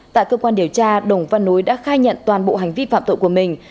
tại cơ quan điều tra đồng văn núi đã khai nhận toàn bộ hành vi phạm tội của mình